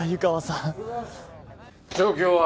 状況は？